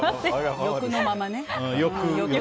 欲のままね。